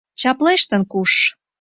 Чаплештын куш!